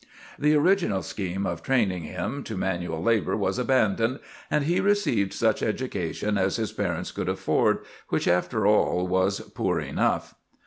The original scheme of training him to manual labor was abandoned, and he received such education as his parents could afford, which, after all, was poor enough.